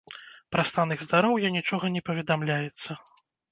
Пра стан іх здароўя нічога не паведамляецца.